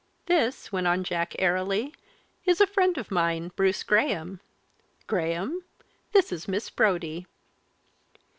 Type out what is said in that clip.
"This," went on Jack airily, "is a friend of mine, Bruce Graham, Graham, this is Miss Brodie."